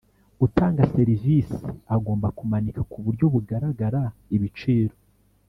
Utanga serivisi agomba kumanika ku buryo bugaragara ibiciro